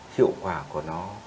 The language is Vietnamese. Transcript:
hiệu quả của nó